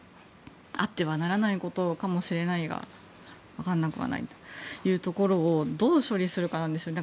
あってはならないことかもしれないが分からなくはないというところをどう処理するかなんですよね。